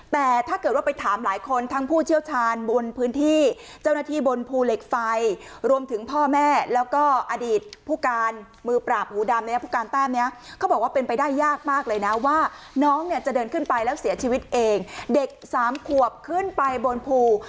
แต่ถ้าเกิดว่าไปถามหลายคนทั้งผู้เชี่ยวชาญบนพื้นที่เจ้าหน้าที่บนภูเหล็กไฟรวมถึงพ่อแม่แล้วก็อดีตผู้การมือปราบหูดำเนี่ยผู้การแต้มเนี่ยเขาบอกว่าเป็นไปได้ยากมากเลยนะว่าน้องเนี่ยจะเดินขึ้นไปแล้วเสียชีวิตเองเด็กสามขวบขึ้นไปบนภู